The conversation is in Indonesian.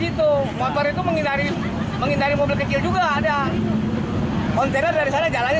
itu motor itu menghindari menghindari mobil kecil juga ada kontainer dari sana jalannya